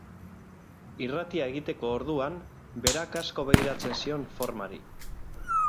Irratia egiteko orduan, berak asko begiratzen zion formari.